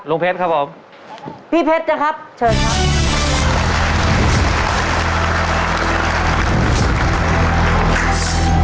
เพชรครับผมพี่เพชรนะครับเชิญครับ